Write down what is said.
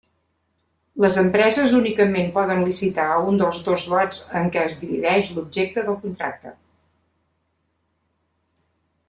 Les empreses únicament poden licitar a un dels dos lots en què es divideix l'objecte del contracte.